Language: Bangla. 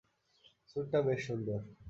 স্যুটটা বেশ সুন্দর।